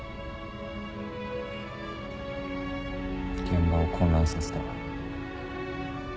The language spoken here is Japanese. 現場を混乱させた。